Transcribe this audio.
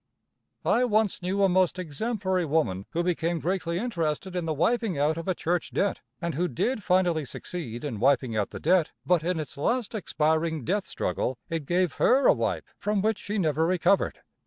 I once knew a most exemplary woman who became greatly interested in the wiping out of a church debt, and who did finally succeed in wiping out the debt, but in its last expiring death struggle it gave her a wipe from which she never recovered.